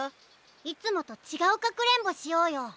いつもとちがうかくれんぼしようよ！